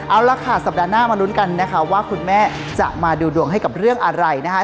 เอาละค่ะสัปดาห์หน้ามาลุ้นกันนะคะว่าคุณแม่จะมาดูดวงให้กับเรื่องอะไรนะคะ